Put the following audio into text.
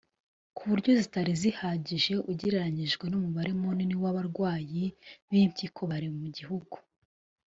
ku buryo zitari zihagije ugereranyije n’umubare munini w’abarwayi b’impyiko bari mu gihugu